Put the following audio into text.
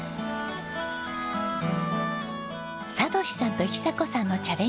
哲さんと久子さんのチャレンジ